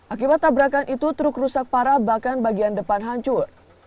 akibat tabrakan itu truk rusak parah bahkan bagian depan hancur